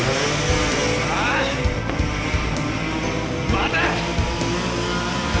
待て！